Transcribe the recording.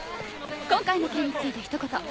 今回の件について一言。